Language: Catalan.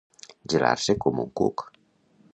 Gelar-se com un cuc.